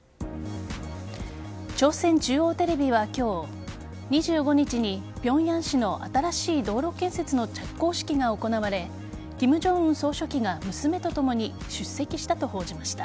朝鮮中央テレビは今日２５日に平壌市の新しい道路建設の着工式が行われ金正恩総書記が娘と共に出席したと報じました。